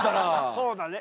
そうだね